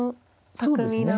そうですね。